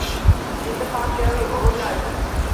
Endi, partiyaviy o‘yladi.